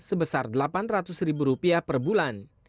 sebesar delapan ratus ribu rupiah per bulan